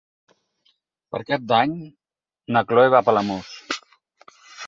Per Cap d'Any na Chloé va a Palamós.